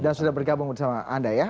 dan sudah bergabung bersama anda ya